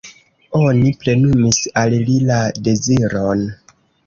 Oni plenumis al li la deziron.